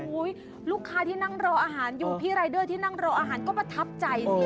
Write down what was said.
ลูกค้าที่นั่งรออาหารอยู่พี่รายเดอร์ที่นั่งรออาหารก็ประทับใจสิ